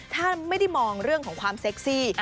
ถ้าไม่ได้มองเรื่องของความเซ็กซี่